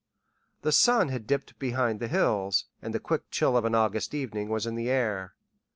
The sun had dipped behind the hills, and the quick chill of an August evening was in the air.